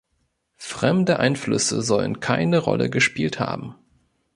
Fremde Einflüsse sollen keine Rolle gespielt haben.